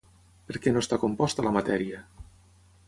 Per què no està composta la matèria?